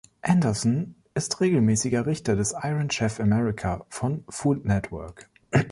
Anderson ist regelmäßiger Richter des "Iron Chef America" von Food Network.